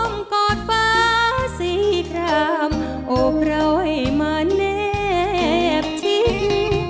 อ้อมกอดฟ้าสี่กรามโอบร่อยมาแนบทิ้ง